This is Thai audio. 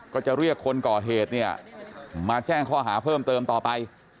ก็จะเรียกคนก่อเหตุเนี่ยมาแจ้งข้อหาเพิ่มเติมต่อไป